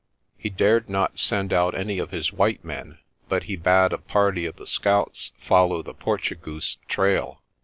He dared not send out any of his white men but he bade a party of the scouts follow the Portugoose's trail.